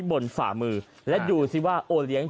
ฝ่ามือและดูสิว่าโอเลี้ยง